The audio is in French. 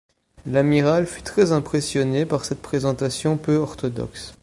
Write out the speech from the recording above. L'amiral fut très impressionné par cette présentation peu orthodoxe.